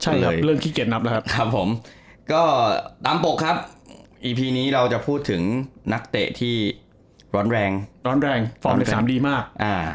ใช่ครับเริ่มขี้เกียจนับแล้วครับผมก็ตามปกครับอีพีนี้เราจะพูดถึงนักเตะที่ร้อนแรงร้อนแรงฟอร์ม๑๓ดีมาก